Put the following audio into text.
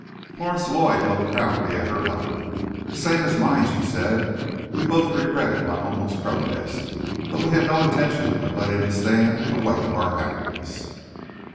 Florence Lloyd looked proudly at her lover. "The same as mine," she said. "We both regretted my uncle's protest, but we had no intention of letting it stand in the way of our happiness."